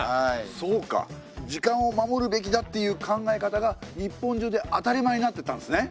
そうか「時間を守るべきだ」っていう考え方が日本中で当たり前になってったんですね。